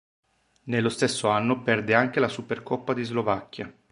Nello stesso anno perde anche la Supercoppa di Slovacchia.